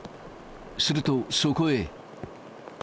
すると、そこへ。